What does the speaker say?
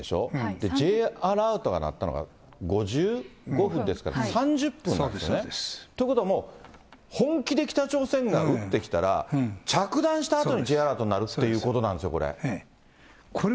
で、Ｊアラートが鳴ったのが５５分ですから、３０分なんですね。ということは、もう本気で北朝鮮が撃ってきたら、着弾したあとにＪアラートが鳴るってことなんですよ、これ。